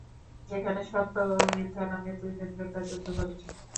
যেখানে সত্য ও মিথ্যা নামের দুইজন যোদ্ধা যুদ্ধ করছে।